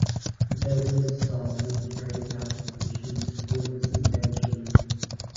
Hevelius saw military applications for his invention.